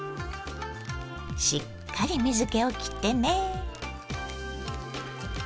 しっかり水けをきってね。